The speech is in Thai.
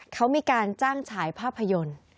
เขามีการจ้างฉายภาพยนตร์